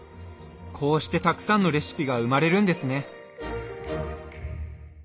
こうしてたくさんのレシピが生まれるんですね。